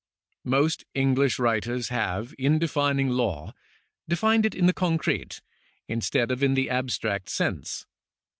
Most English writers have, in defining law, defined it in the concrete, instead of in the abstract sense.